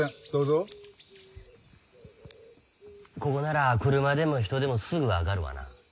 ここなら車でも人でもすぐわかるわな。